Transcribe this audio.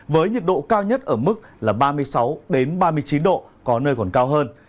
với nhiệt độ cao nhất ở mức là ba mươi sáu ba mươi chín độ có nơi còn cao hơn